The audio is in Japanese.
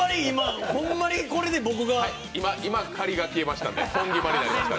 ほんまにこれで僕が今、仮が消えましたので、本決まりになりました。